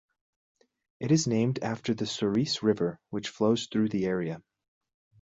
It is named after the Souris River which flows through the area.